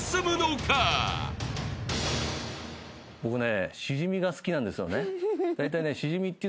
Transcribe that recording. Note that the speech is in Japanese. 僕ね。